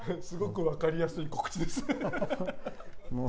すごく分かりやすい告知です。